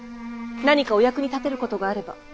何かお役に立てることがあれば。